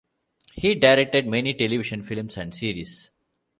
He directed many television films and series.